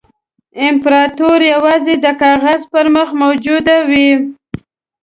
امپراطوري یوازې د کاغذ پر مخ موجوده وه.